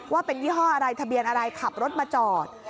ว่าเป็นยี่ห้ออะไรทะเบียนอะไรขับรถมาจอด